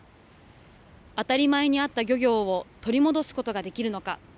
当たり前にあった漁業を取り戻すことができるのか。